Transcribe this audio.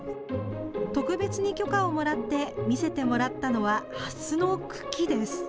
特別に許可をもらって見せてもらったのはハスの茎です。